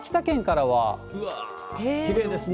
きれいですね。